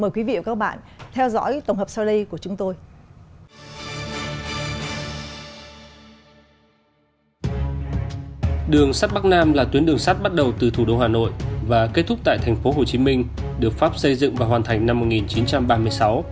kết thúc tại thành phố hồ chí minh được pháp xây dựng và hoàn thành năm một nghìn chín trăm ba mươi sáu